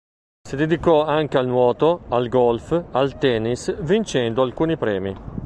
Si dedicò anche al nuoto, al golf, al tennis, vincendo alcuni premi.